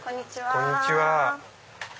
こんにちは。